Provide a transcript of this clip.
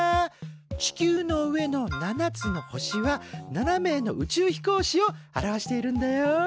地球の上の７つの星は７名の宇宙飛行士を表しているんだよ。